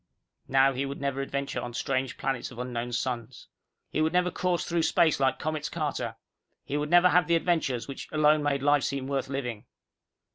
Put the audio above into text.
Now he would never adventure on strange planets of unknown suns. He would never course through space like Comets Carter. He would never have the adventures which alone made life seem worth living.